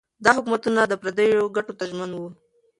دا حکومتونه د پردیو ګټو ته ژمن وو.